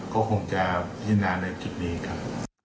ก็คงจะพินาในจุดนี้ครับ